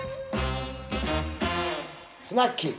スナッキー！